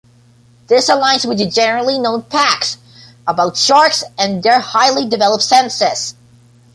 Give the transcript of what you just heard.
This aligns with the generally known facts about sharks and their highly developed senses.